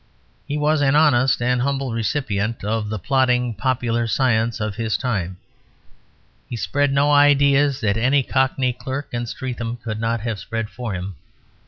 He was an honest and humble recipient of the plodding popular science of his time; he spread no ideas that any cockney clerk in Streatham could not have spread for him.